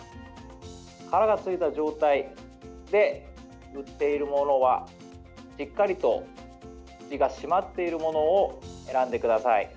殻がついた状態で売っているものは、しっかりと口が閉まっているものを選んでください。